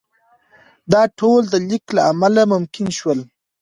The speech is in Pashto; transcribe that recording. دا ټول د لیک له امله ممکن شول.